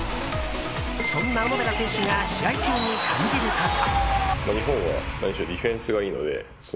そんな小野寺選手が試合中に感じること。